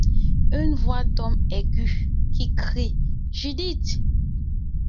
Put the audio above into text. Une voix d’homme, aiguë, qui crie :« Judith !